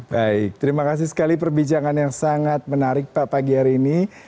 baik terima kasih sekali perbincangan yang sangat menarik pak pagi hari ini